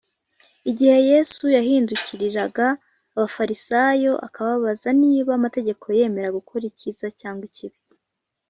igihe yesu yahindukiriraga abafarisayo akababaza niba amategeko yemera gukora icyiza cyangwa ikibi,